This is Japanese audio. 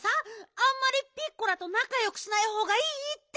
あんまりピッコラとなかよくしないほうがいいって！